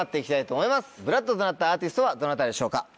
ＢＬＯＯＤとなったアーティストはどなたでしょうか？